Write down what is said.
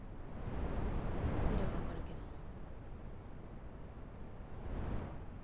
見れば分かるけど。